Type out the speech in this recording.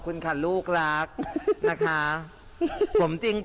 พี่บอกว่าบ้านทุกคนในที่นี่